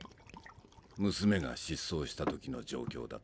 娘が失踪した時の状況だったな。